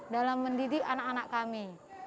dalam mendidik anak anak kami